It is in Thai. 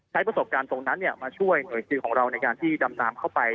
ประสบการณ์ตรงนั้นมาช่วยหน่วยซิลของเราในการที่ดำน้ำเข้าไป